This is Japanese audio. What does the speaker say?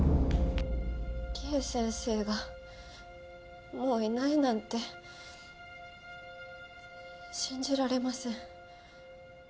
りえ先生がもういないなんて信じられません。